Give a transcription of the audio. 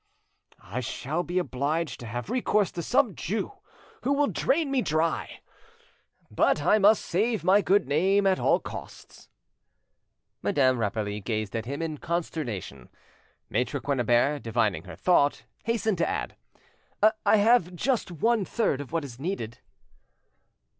"I shall be obliged to have recourse to some Jew, who will drain me dry. But I must save my good name at all costs." Madame Rapally gazed at him in consternation. Maitre Quennebert, divining her thought, hastened to add— "I have just one third of what is needed."